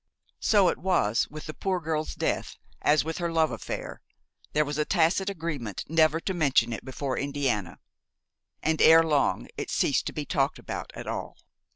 So it was with the poor girl's death as with her love affair. There was a tacit agreement never to mention it before Indiana, and ere long it ceased to be talked about at all.